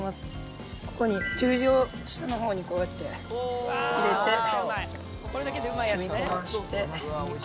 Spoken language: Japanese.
ここに十字を下の方にこうやって入れて染み込ませて。